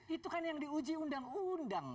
itu kan yang diuji undang undang